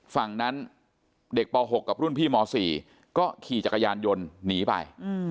ฝั่งนั้นเด็กป๖กับรุ่นพี่ม๔ก็ขี่จักรยานยนต์หนีไป